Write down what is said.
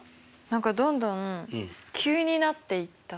何かどんどん急になっていった。